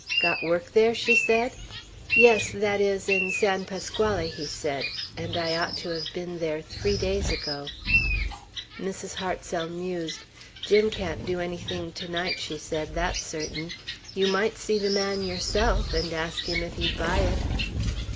"Got work there?" she said. "Yes; that is, in San Pasquale," he said; "and I ought to have been there three days ago." Mrs. Hartsel mused. "Jim can't do anything to night," she said; "that's certain. You might see the man yourself, and ask him if he'd buy it."